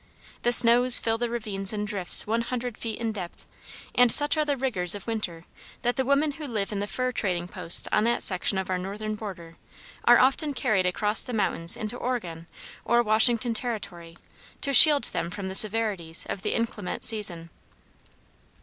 The snows fill the ravines in drifts one hundred feet in depth, and such are the rigors of winter that the women who live in the fur trading posts on that section of our northern border, are often carried across the mountains into Oregon or Washington territory, to shield them from the severities of the inclement season.